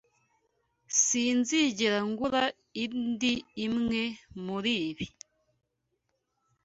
Sinzigera ngura indi imwe muribi.